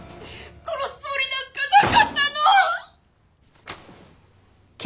殺すつもりなんかなかったの！